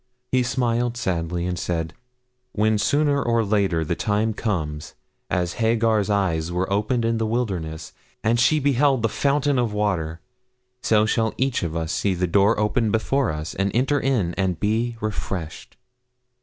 He smiled sadly and said 'When, sooner or later, the time comes, as Hagar's eyes were opened in the wilderness, and she beheld the fountain of water, so shall each of us see the door open before us, and enter in and be refreshed.'